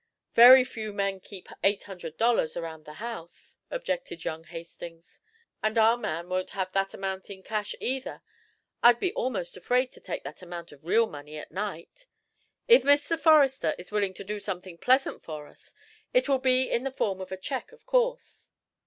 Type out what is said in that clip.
"Very few men keep eight hundred dollars around the house," objected young Hastings. "And our man won't have that amount in cash, either. I'd be almost afraid to take that amount of real money, at night. If Mr. Forrester is willing to do something pleasant for us, it will be in the form of a check, of course."